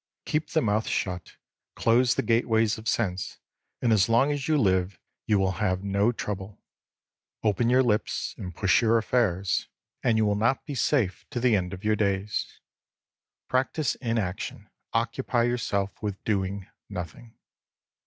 Keep the mouth shut, close the gateways of sense, and as long as you live you will have no trouble. Open your hps and push your affairs, L.T.— 3 3 T and you will not be safe to the end of your days. Practise inaction, occupy yourself with doing nothing.